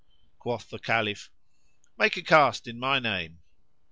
Quoth the Caliph, "Make a cast in my name."